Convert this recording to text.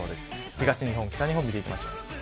東日本、北日本を見ていきましょう。